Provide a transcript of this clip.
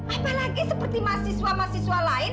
apalagi seperti mahasiswa mahasiswa lain